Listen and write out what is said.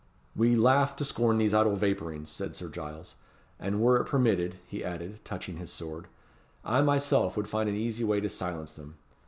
"We laugh to scorn these idle vapourings," said Sir Giles; "and were it permitted," he added, touching his sword, "I myself would find an easy way to silence them.